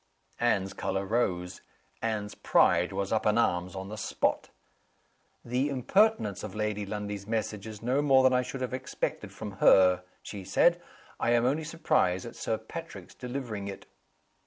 Anne's color rose. Anne's pride was up in arms on the spot. "The impertinence of Lady Lundie's message is no more than I should have expected from her," she said. "I am only surprised at Sir Patrick's delivering it."